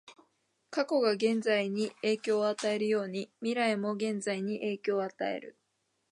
過去が現在に影響を与えるように、未来も現在に影響を与える。